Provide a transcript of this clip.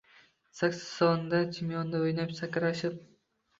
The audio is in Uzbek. Saksonda Chimyonda o’ynab, sakrashib